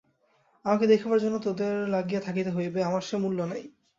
আমাকে দেখিবার জন্য তোদের লাগিয়া থাকিতে হইবে, আমার সে মূল্য নাই।